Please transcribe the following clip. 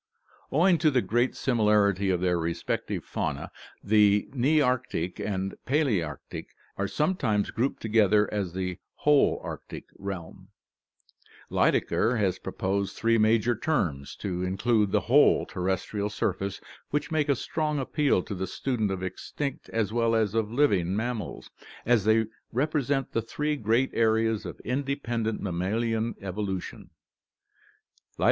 Owing to the great similarity of their respective faunae the Nearctic and Palearctic are sometimes grouped together as the Holarctic (Gr. oXjos, entire) realm. Lydekker has proposed three major terms to include the whole terrestrial surface, which make a strong appeal to the student of extinct as well as of living mammals, as they represent the three great areas of independent mammalian evolution (see continental adaptive radiation, Chapter XVIII).